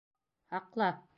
— Һаҡла?